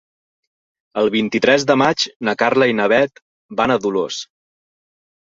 El vint-i-tres de maig na Carla i na Bet van a Dolors.